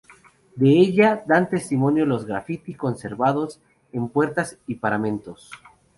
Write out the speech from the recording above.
De ella dan testimonio los "graffiti" conservados en puertas y paramentos.